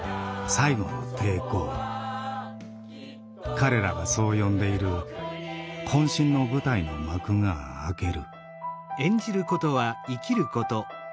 彼らがそう呼んでいるこん身の舞台の幕が開ける。